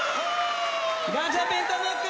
ガチャピンとムック